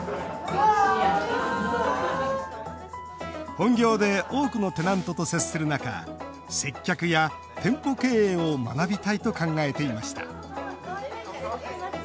本業で多くのテナントと接する中接客や店舗経営を学びたいと考えていました。